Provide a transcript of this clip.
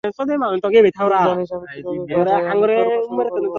তুই জানিস আমি কিভাবে বাঁধাই, আমি তর্ক শুরু করবো।